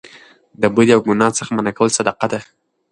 د بدۍ او ګناه څخه منع کول صدقه ده